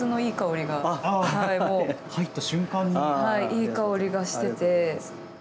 いい香りがしてて。